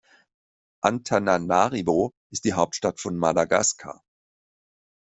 Antananarivo ist die Hauptstadt von Madagaskar.